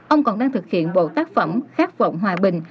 ông còn đang thực hiện bộ tác phẩm khát vọng hòa bình